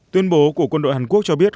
tuyên bố của quân đội hàn quốc cho biết